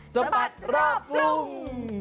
สมัติรอบพรุ่ง